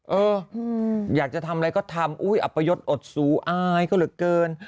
เอออยากจะทำอะไรก็ทำอุ้ยอัปยศอดสูอายเขาเหลือเกิน